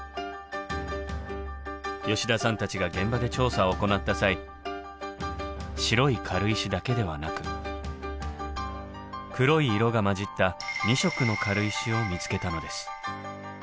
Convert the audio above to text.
吉田さんたちが現場で調査を行った際白い軽石だけではなく黒い色が混じった２色の軽石を見つけたのです。